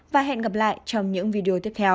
và hẹn gặp lại trong những video tiếp theo